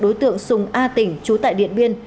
đối tượng sùng a tỉnh chú tại điện biên